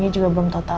dia juga belum tau tau